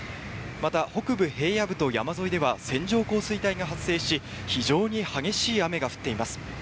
また、北部平野部と山沿いでは、線状降水帯が発生し、非常に激しい雨が降っています。